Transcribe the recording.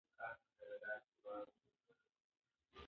که موږ په خپله ژبه زده کړه وکړو نو ښه پوهېږو.